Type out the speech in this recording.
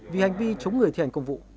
vì hành vi chống người thi hành công vụ